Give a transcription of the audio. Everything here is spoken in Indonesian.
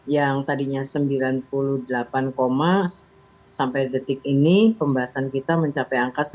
yang tadinya sembilan puluh delapan sampai detik ini pembahasan kita mencapai angka sembilan puluh